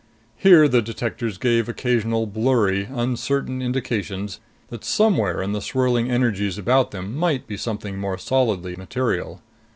Here, the detectors gave occasional blurry, uncertain indications that somewhere in the swirling energies about them might be something more solidly material.